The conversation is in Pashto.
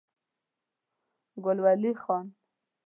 ګل ولي خان